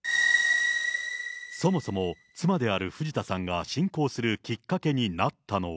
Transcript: そもそも妻である藤田さんが信仰するきっかけになったのは。